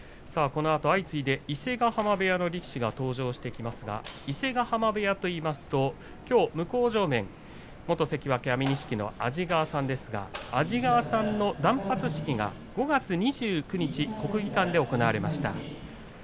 このあと相次いで伊勢ヶ濱部屋の力士が登場してきますが伊勢ヶ濱部屋といいますときょう向正面元関脇安美錦の安治川さんですが、安治川さんの断髪式が５月２９日国技館で行われました。